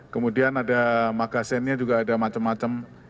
kemudian ada magasennya juga ada macam macam